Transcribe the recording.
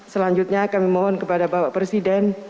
selanjutnya kami mohon kepada bapak presiden